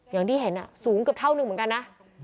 อย่างที่เห็นสูงเกือบเท่านึงเหมือนกันนะ